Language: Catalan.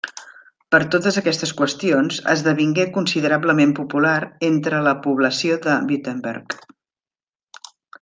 Per totes aquestes qüestions esdevingué considerablement popular entre la població de Württemberg.